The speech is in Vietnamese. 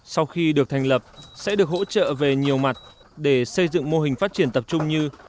sau khi được thành lập sẽ được hỗ trợ về nhiều mặt để xây dựng mô hình phát triển tập trung như